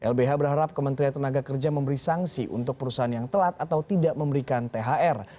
lbh berharap kementerian tenaga kerja memberi sanksi untuk perusahaan yang telat atau tidak memberikan thr